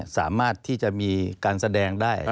สามารถที่จะมีการแสดงได้